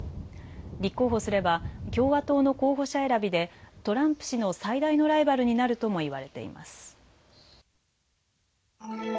立候補すれば共和党の候補者選びでトランプ氏の最大のライバルになるとも言われています。